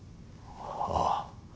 ああ。